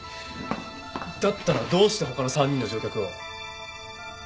だったらどうして他の３人の乗客を？